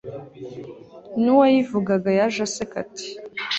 n'uwayivugaga yaje aseka ati